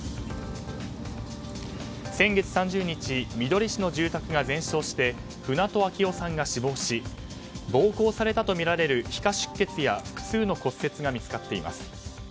先月３０日みどり市の住宅が全焼して船戸秋雄さんが死亡し暴行されたとみられる皮下出血や複数の骨折が見つかっています。